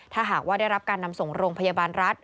ถ้าหากว่าได้รับการนำส่งโรงพยาบาลรัฐ